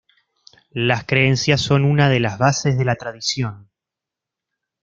Las creencias son una de las bases de la tradición.